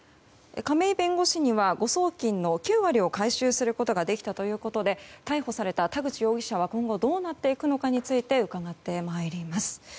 亀井弁護士には誤送金の９割を回収することができたということで逮捕された田口容疑者は今後どうなっていくのかについて伺ってまいります。